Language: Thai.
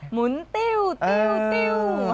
หมุนติ้วติ้ว